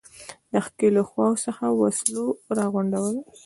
د ښکېلو خواوو څخه وسلو را غونډول.